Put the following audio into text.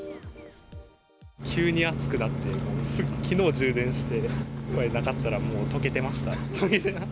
急に暑くなって、きのう充電して、これなかったらもう、とけてました。